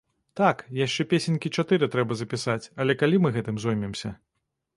Так, яшчэ песенькі чатыры трэба запісаць, але калі мы гэтым зоймемся!?